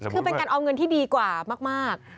คือเป็นการเอาเงินที่ดีกว่ามาก